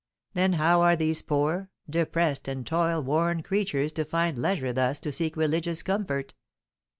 Then how are these poor, depressed, and toil worn creatures to find leisure thus to seek religious comfort?